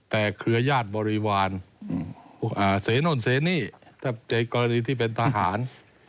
แต่เครือญาติบริวารเสโน่นเสนี่ถ้าในกรณีที่เป็นทหาร